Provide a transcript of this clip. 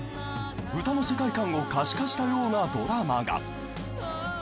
［歌の世界観を可視化したようなドラマが］